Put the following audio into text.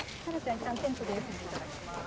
いったんテントで休んでいただきます。